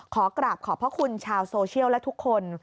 ขอกราบขอบพระคุณชาวโซเชียลและทุกคน